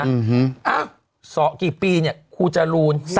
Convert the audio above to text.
อ้าวศอกกี่ปีเนี่ยคู่จรูญ